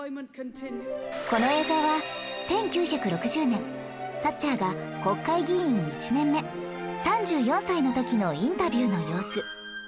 この映像は１９６０年サッチャーが国会議員１年目３４歳の時のインタビューの様子